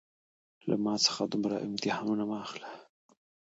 له ما څخه دومره امتحانونه مه اخله